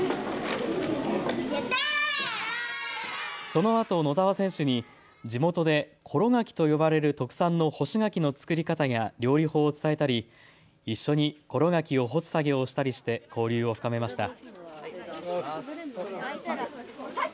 そのあと野澤選手に地元でころ柿と呼ばれる特産の干し柿の作り方や料理法を伝えたり一緒にころ柿を干す作業をしたりして交流を深めました。